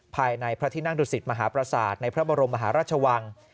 ภายในพระธินักดุศิษย์มหาประสาทในพระบรมรัชวัง